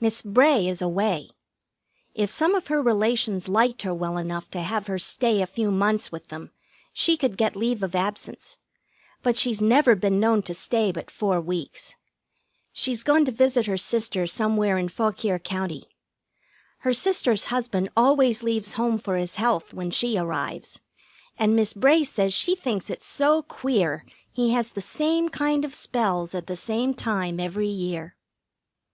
Miss Bray is away. If some of her relations liked her well enough to have her stay a few months with them, she could get leave of absence; but she's never been known to stay but four weeks. She's gone to visit her sister somewhere in Fauquier County. Her sister's husband always leaves home for his health when she arrives, and Miss Bray says she thinks it's so queer he has the same kind of spells at the same time every year.